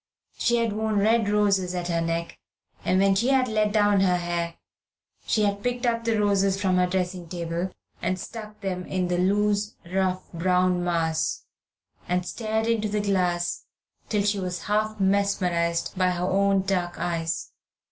She had worn red roses at her neck, and when she had let down her hair she had picked up the roses from her dressing table and stuck them in the loose, rough, brown mass, and stared into the glass till she was half mesmerised by her own dark eyes.